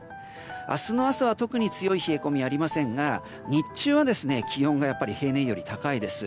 明日の朝は特に強い冷え込み、ありませんが日中は気温が平年より高いです。